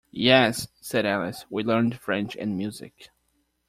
‘Yes,’ said Alice, ‘we learned French and music.’